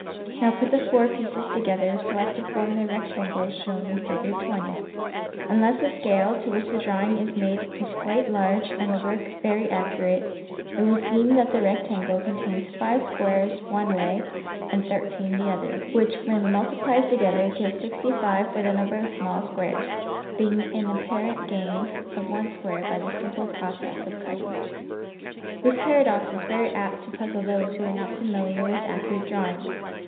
Now, put the four pieces together, so as to form the rectangle shown in Fig. 20. Unless the scale, to which the drawing is made is quite large and the work very accurate, it will seem that the rectangle contains 5 squares one way and 13 the other which, when multiplied together, give 65 for the number of small squares, being an apparent gain of one square by the simple process of cutting. SPACE APPARENTLY ENLARGED 127 This paradox is very apt to puzzle those who are not familiar with accurate drawings.